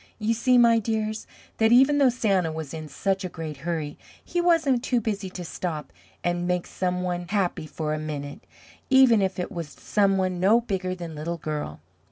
You see, my dears, that even though Santa was in such a great hurry, he wasn't too busy to stop and make some one happy for a minute, even if it was some one no bigger than Little Girl.